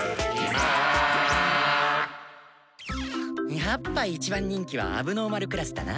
やっぱ一番人気は問題児クラスだな。